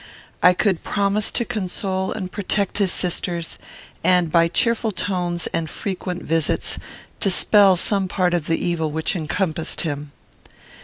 I could promise to console and protect his sisters, and, by cheerful tones and frequent visits, dispel some part of the evil which encompassed him.